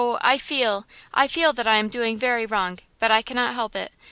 I feel–I feel that I am doing very wrong, but I cannot help it.